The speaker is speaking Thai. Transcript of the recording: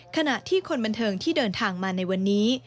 ขณะที่คนบันเทิงที่เดินทางมาในวันนี้